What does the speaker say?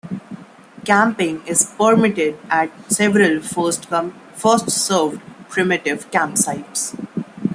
Camping is permitted at several first-come, first-served primitive campsites.